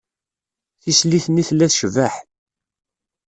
Tislit-nni tella tecbeḥ.